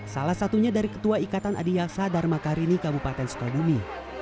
salah satunya dari ketua ikatan adhiasa dharma karini kabupaten sukadumi